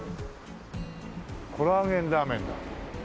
コラーゲンラーメン。